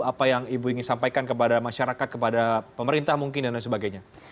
apa yang ibu ingin sampaikan kepada masyarakat kepada pemerintah mungkin dan lain sebagainya